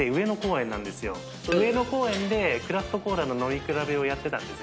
上野公園でクラフトコーラの飲み比べをやってたんですね。